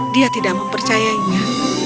dia tidak mempercayainya